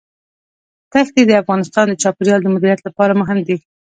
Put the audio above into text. دښتې د افغانستان د چاپیریال د مدیریت لپاره مهم دي.